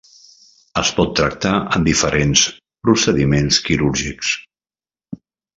Es pot tractar amb diferents procediments quirúrgics.